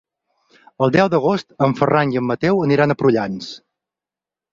El deu d'agost en Ferran i en Mateu aniran a Prullans.